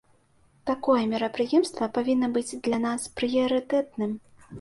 Такое мерапрыемства павінна быць для нас прыярытэтным.